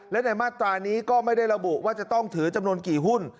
และในมาตรานี้ก็ไม่ได้ระบุว่าจะต้องถือจำนวนกี่หุ้น